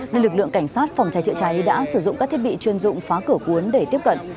nên lực lượng cảnh sát phòng cháy chữa cháy đã sử dụng các thiết bị chuyên dụng phá cửa cuốn để tiếp cận